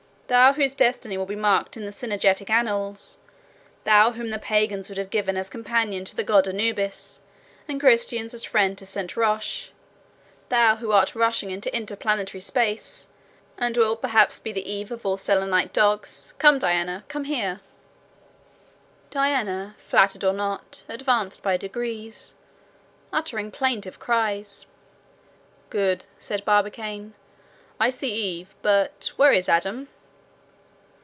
thou whose destiny will be marked in the cynegetic annals; thou whom the pagans would have given as companion to the god Anubis, and Christians as friend to St. Roch; thou who art rushing into interplanetary space, and wilt perhaps be the Eve of all Selenite dogs! come, Diana, come here." Diana, flattered or not, advanced by degrees, uttering plaintive cries. "Good," said Barbicane: "I see Eve, but where is Adam?"